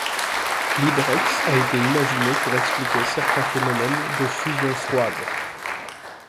L'hydrex a été imaginé pour expliquer certains phénomènes de fusion froide.